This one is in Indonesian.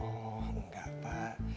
oh enggak pak